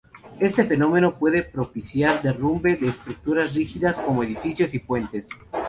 Este fenómeno puede propiciar derrumbe de estructuras rígidas, como edificios y puentes.